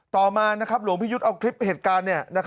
ต่อมาหลวงพี่ยุทธ์เอาคลิปเหตุการณ์